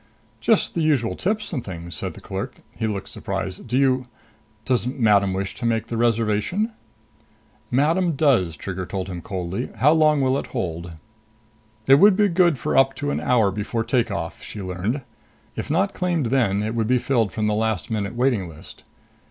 "Just the usual tips and things," said the clerk. He looked surprised. "Do you does madam wish to make the reservation?" "Madam does," Trigger told him coldly. "How long will it hold?" It would be good up to an hour before take off time, she learned. If not claimed then, it would be filled from the last minute waiting list.